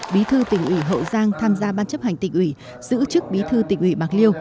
bí thư tỉnh ủy hậu giang tham gia ban chấp hành tỉnh ủy giữ chức bí thư tỉnh ủy bạc liêu